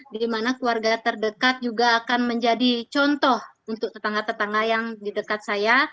di mana keluarga terdekat juga akan menjadi contoh untuk tetangga tetangga yang di dekat saya